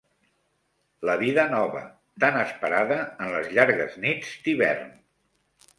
La vida nova, tan esperada en les llargues nits d'hivern